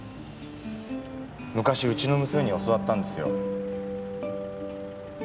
昔うちの娘に教わったんですよ。